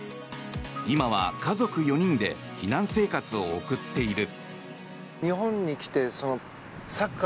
今は家族４人で避難生活を送っている。